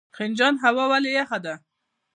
خنجان هوا ولې یخه ده؟